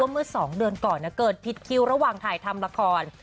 เมื่อ๒เดือนก่อนเกิดผิดคิวระหว่างถ่ายทำละคร